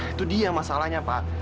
itu dia masalahnya pak